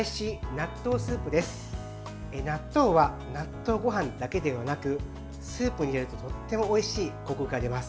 納豆は、納豆ごはんだけではなくスープに入れるととってもおいしいこくが出ます。